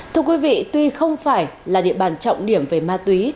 thưa quý vị tuy không phải là địa bàn trọng điểm về ma túy